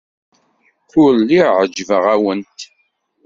Ur lliɣ ɛejbeɣ-awent.